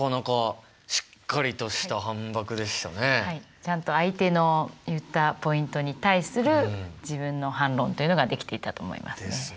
ちゃんと相手の言ったポイントに対する自分の反論というのができていたと思いますね。ですね。